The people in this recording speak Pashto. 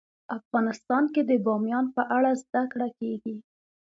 افغانستان کې د بامیان په اړه زده کړه کېږي.